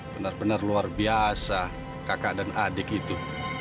benar benar luar biasa kakak dan adik itu